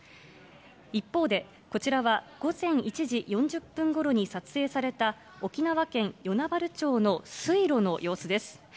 一方で、こちらは午前１時４０分ごろに撮影された、沖縄県与那原町の水路の様子です。